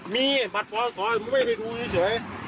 มีบัตรปศผมไม่ได้ดูเฉย